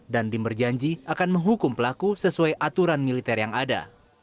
dan dim berjanji akan menghukum pelaku sesuai aturan militer yang ada